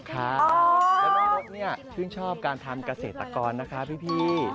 แต่น้องมดชื่นชอบการทำเกษตรกรนะคะพี่